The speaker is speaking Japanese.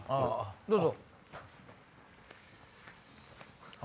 どうぞ。